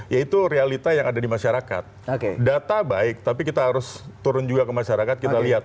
yaitu realita yang ada di masyarakat oke data baik tapi kita harus turun juga ke masyarakat kita lihat